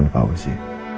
dengan pak fauzi